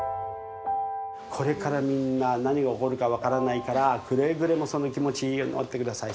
これからみんな何が起こるか分からないからくれぐれもその気持ち持ってください。